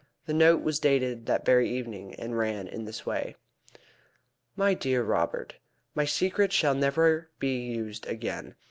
The note was dated that very evening, and ran in this way: "MY DEAR ROBERT, My secret shall never be used again.